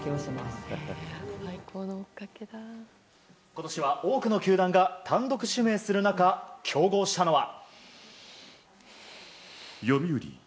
今年は多くの球団が単独指名する中競合したのは。